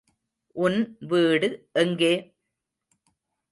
உன் வீடு எங்கே?